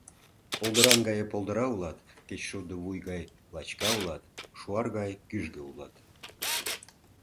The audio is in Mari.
Полдыран гае полдыра улат, кечшудо вуй гай лачка улат, шуар гай кӱжгӧ улат.